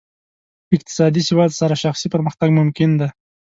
اقتصادي سواد سره شخصي پرمختګ ممکن دی.